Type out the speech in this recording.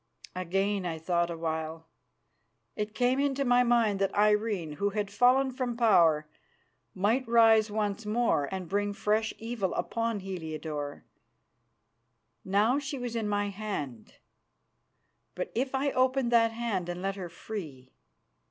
Again I thought a while. It came into my mind that Irene, who had fallen from power, might rise once more and bring fresh evil upon Heliodore. Now she was in my hand, but if I opened that hand and let her free